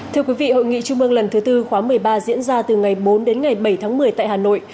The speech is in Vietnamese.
thưa quý vị hội nghị trung mương lần thứ tư khóa một mươi ba diễn ra từ ngày bốn đến ngày bảy tháng một mươi tại hà nội